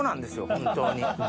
本当に。